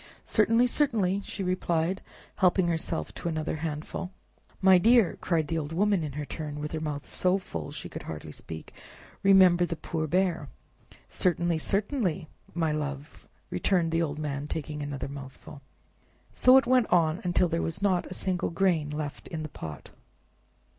"Certainly, certainly," she replied, helping herself to another handful. "My dear," cried the old woman in her turn, with her mouth so full she could hardly speak, "remember the poor Bear!" "Certainly, certainly, my love!" returned the old man, taking another mouthful. So it went on, till there was not a single grain left in the pot.